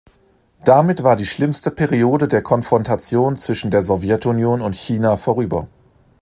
Damit war die schlimmste Periode der Konfrontation zwischen der Sowjetunion und China vorüber.